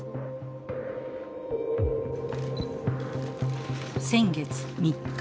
先月３日。